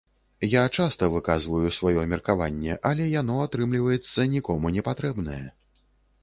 Я часта выказваю сваё меркаванне, але яно, атрымліваецца, нікому не патрэбнае.